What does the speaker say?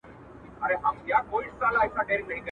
شیخ یې خوله غوږ ته نیژدې کړه چي واکمنه!